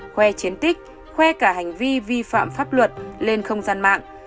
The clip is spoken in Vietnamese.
khoe chiến tích khoe cả hành vi vi phạm pháp luật lên không gian mạng